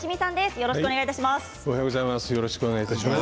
よろしくお願いします。